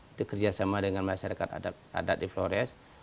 itu kerjasama dengan masyarakat adat adat di flores